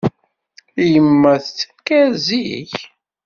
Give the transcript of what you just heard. Yemma tettenkar zik.